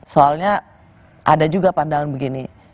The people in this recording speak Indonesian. soalnya ada juga pandangan begini